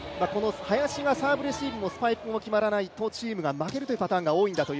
林がサーブレシーブもスパイクも決まらないとチームが負けるというパターンが多いんだと。